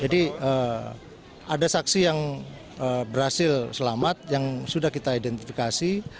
jadi ada saksi yang berhasil selamat yang sudah kita identifikasi